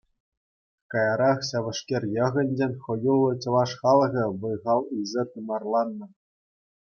Каярах ҫав эшкер йӑхӗнчен хӑюллӑ чӑваш халӑхӗ вӑй-хал илсе тымарланнӑ.